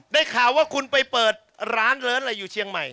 ได้ข่าวว่าคุณไปเปิดร้านเลิศอะไรอยู่เชียงใหม่